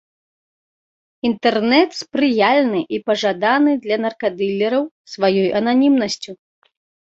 Інтэрнэт спрыяльны і пажаданы для наркадылераў сваёй ананімнасцю.